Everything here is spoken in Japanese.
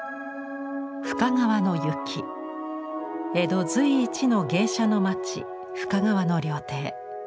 江戸随一の芸者の町深川の料亭。